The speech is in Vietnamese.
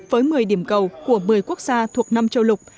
với một mươi điểm cầu của một mươi quốc gia thuộc năm châu lục